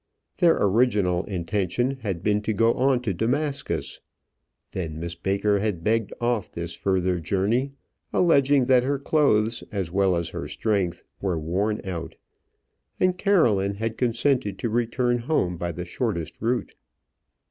Their original intention had been to go on to Damascus. Then Miss Baker had begged off this further journey, alleging that her clothes as well as her strength were worn out; and Caroline had consented to return home by the shortest route.